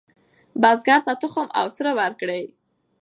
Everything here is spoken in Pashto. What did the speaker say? بزګر ته تخم او سره ورکړئ.